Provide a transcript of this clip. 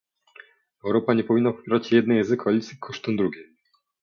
Europa nie powinna popierać jednej z koalicji kosztem drugiej